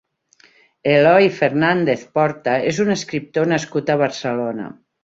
Eloy Fernández Porta és un escriptor nascut a Barcelona.